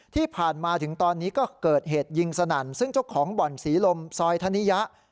ที่ผ่านมาถึงตอนนี้ก็เกิดเหตุยิงสนั่นซึ่งเจ้าของบ่อนศรีลมซอยธนิยะ